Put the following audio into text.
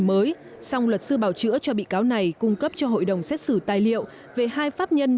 mới song luật sư bảo chữa cho bị cáo này cung cấp cho hội đồng xét xử tài liệu về hai pháp nhân